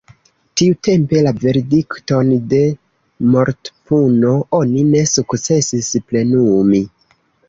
Tiutempe la verdikton de mortpuno oni ne sukcesis plenumi.